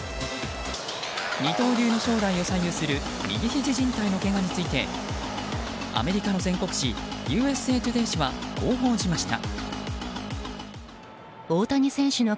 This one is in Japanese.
二刀流の将来を左右する右ひじじん帯のけがについてアメリカの全国紙ＵＳＡトゥデイ紙はこう報じました。